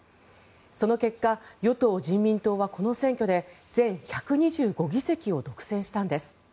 その結果与党・人民党はこの選挙で全１２５議席を独占したんです。